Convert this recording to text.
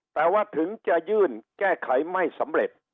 แต่ว่าถึงจะยื่นแก้ไขไม่สำเร็จ